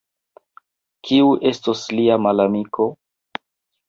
Kiu estos lia malamiko?